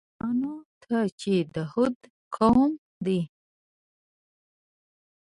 عادیانو ته چې د هود قوم دی.